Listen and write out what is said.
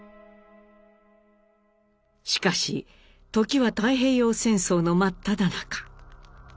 しかし時は太平洋戦争の真っただ中。